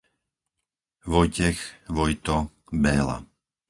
Vojtech, Vojto, Béla